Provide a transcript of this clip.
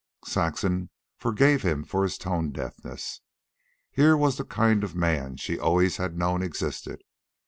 Saxon forgave him his tone deafness. Here was the kind of man she always had known existed.